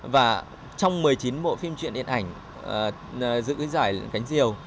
và trong một mươi chín bộ phim truyện điện ảnh giữ giải cánh diều